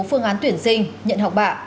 phương án tuyển sinh nhận học bạ